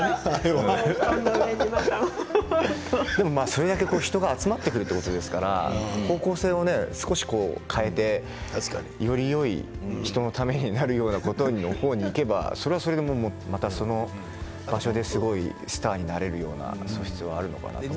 それだけ人が集まってくるということですから方向性を少し変えてよりよい人のためになるようなことにいけばそれはそれで、またその場所ですごいスターになれるような素質があるのかなと。